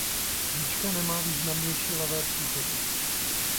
Říčka nemá významnější levé přítoky.